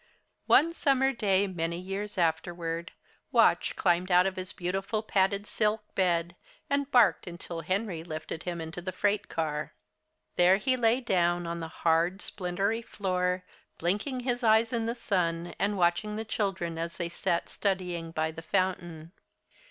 One summer day, many years afterward, Watch climbed out of his beautiful padded silk bed, and barked until Henry lifted him into the freight car. There he lay down on the hard, splintery floor, blinking his eyes in the sun, and watching the children as they sat studying by the fountain.